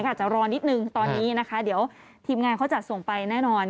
อาจจะรอนิดนึงตอนนี้นะคะเดี๋ยวทีมงานเขาจัดส่งไปแน่นอน